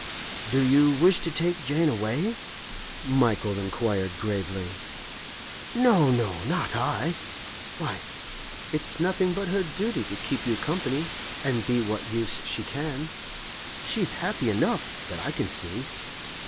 'Do you wish to take Jane away?' Michael inquired gravely. 'No, no; not I! Why, it's nothing but her duty to keep you company and be what use she can. She's happy enough, that I can see.